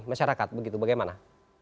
masyarakat begitu bagaimana